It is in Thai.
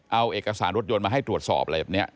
เอาเอกสารรถยนต์มาให้ตรวจสอบอะไรแบบนี้